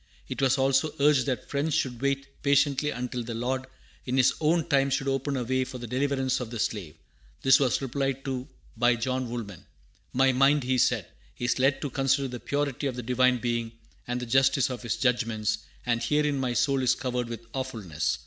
It was also urged that Friends should wait patiently until the Lord in His own time should open a way for the deliverance of the slave. This was replied to by John Woolman. "My mind," he said, "is led to consider the purity of the Divine Being, and the justice of His judgments; and herein my soul is covered with awfulness.